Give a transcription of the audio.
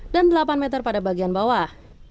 dan delapan meter pada bagian bawah